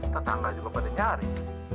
tetangga juga pada nyari